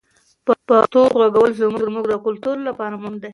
پښتو غږول زموږ د کلتور لپاره مهم دی.